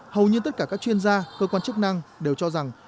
hầu như tất cả các chuyên gia cơ quan chức năng đều cho rằng